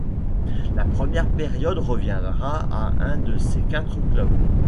La première période reviendra à un de ces quatre clubs.